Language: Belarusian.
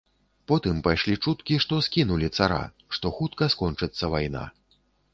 Потым пайшлі чуткі, што скінулі цара, што хутка скончыцца вайна.